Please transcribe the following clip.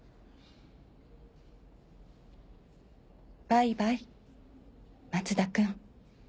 バイバイ松田君